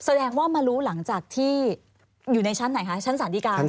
แสดงว่ามารู้หลังจากที่อยู่ในชั้นไหนคะชั้นสารดีการ